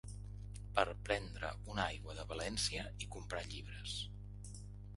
Per prendre una aigua de València i comprar llibres.